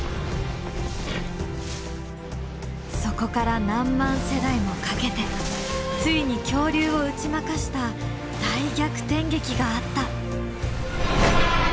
そこから何万世代もかけてついに恐竜を打ち負かした大逆転劇があった。